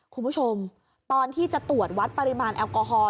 คุณผู้ชมตอนที่จะตรวจวัดปริมาณแอลกอฮอล